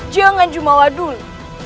jangan jumawa dulu